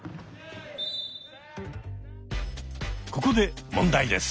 ここで問題です。